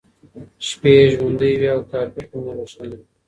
شپې یې ژوندۍ وې او کافيخونې روښانه وې.